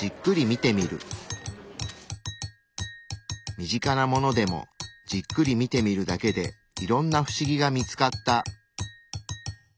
身近なものでもじっくり見てみるだけでいろんな不思議が見つかった。